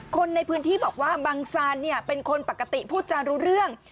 คนในพื้นที่บอกว่าบังซานเป็นคนปกติพูดจารู้เรื่อง